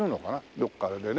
どっかでね。